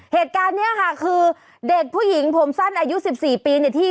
เหตุการณ์นี้ค่ะคือเด็กผู้หญิงผมสั้นอายุ๑๔ปีเนี่ยที่